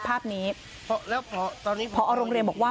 เชิงชู้สาวกับผอโรงเรียนคนนี้